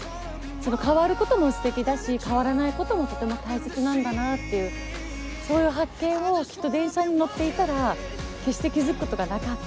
変わることもすてきだし変わらないこともとても大切なんだなっていうそういう発見をきっと電車に乗っていたら決して気付くことがなかった。